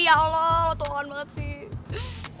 ya allah lo tua banget sih